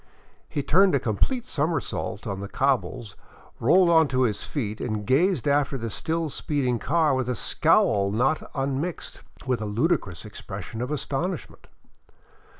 He turned a complete somersault on the cobbles, rolled on to his feet, and gazed after the still speeding car with a scowl not unmixed with a ludicrous expression of astonishment.